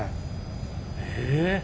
え。